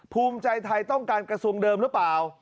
ภูมิใจไทยต้องการกระทรวงเดิมหรือเปล่า